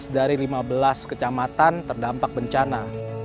sebelas dari lima belas kecamatan terdampak bencana